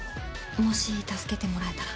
もし助けてもらえたら。